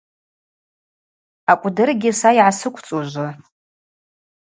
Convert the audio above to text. Акӏвдыргьи са йгӏасыквцӏа ужвы.